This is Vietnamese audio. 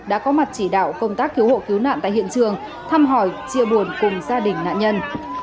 đã có mặt chỉ đạo công tác cứu hộ cứu nạn tại hiện trường thăm hỏi chia buồn cùng gia đình nạn nhân